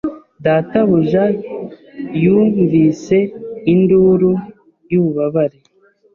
Databuja yunvise induru yububabare